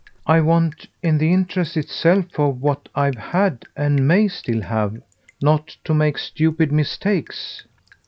I want in the interest itself of what I've had and may still have not to make stupid mistakes.